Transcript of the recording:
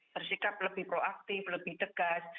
bersikap lebih proaktif lebih tegas